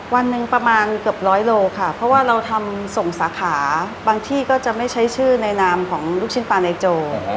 วันหนึ่งประมาณเกือบร้อยโลค่ะเพราะว่าเราทำส่งสาขาบางที่ก็จะไม่ใช้ชื่อในนามของลูกชิ้นปลาในโจ